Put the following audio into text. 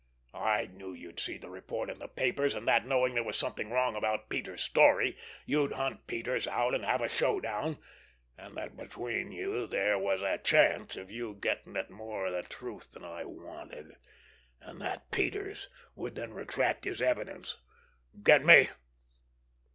I knew you'd see the report in the papers, and that, knowing there was something wrong about Peters' story, you'd hunt Peters out and have a show down, and that between you there was a chance of you getting at more of the truth than I wanted, and that Peters would then retract his evidence. Get me?